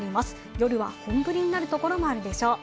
夜は本降りになるところもあるでしょう。